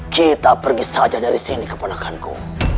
kita pergi saja dari sini keponakan ku